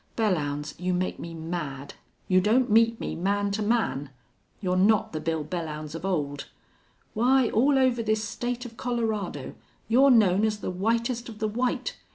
Belllounds, you make me mad. You don't meet me man to man. You're not the Bill Belllounds of old. Why, all over this state of Colorado you're known as the whitest of the white.